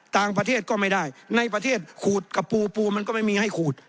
ต่างประเทศก็ไม่ได้ในประเทศขูดกับปูปูมันก็ไม่มีให้ขูด